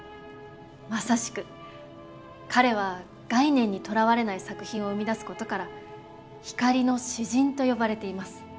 まさしく彼は概念にとらわれない作品を生み出すことから「光の詩人」と呼ばれています。